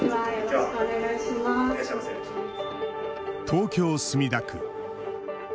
東京・墨田区。